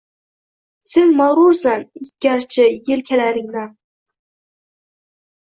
Sen mag‘rursan garchi yelkalaring nam.